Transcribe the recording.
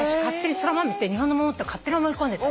そら豆って日本のものって勝手に思い込んでた。